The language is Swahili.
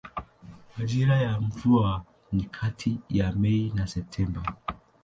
Majira ya mvua ni kati ya Mei na Septemba.